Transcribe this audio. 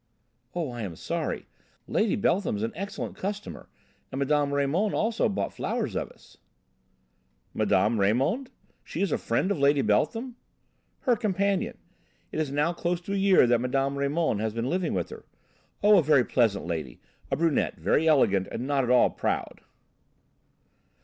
"Oh, I am sorry. Lady Beltham's an excellent customer and Mme. Raymond also bought flowers of us." "Mme. Raymond. She is a friend of Lady Beltham?" "Her companion. It is now close to a year that Mme. Raymond has been living with her. Oh! a very pleasant lady; a pretty brunette, very elegant and not at all proud."